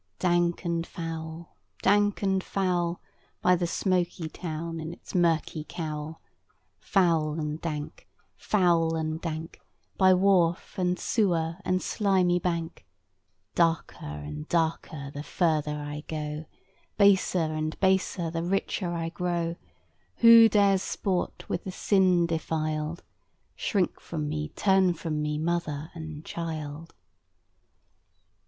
Dank and foul, dank and foul, By the smoky town in its murky cowl; Foul and dank, foul and dank, By wharf and sewer and slimy bank; Darker and darker the farther I go, Baser and baser the richer I grow; Who dares sport with the sin defiled? Shrink from me, turn from me, mother and child.